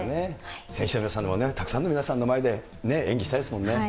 選手の皆さんもたくさんの皆さんの前で演技したいですもんね。